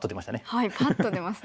はいパッと出ますね。